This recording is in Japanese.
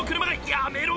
やめろ！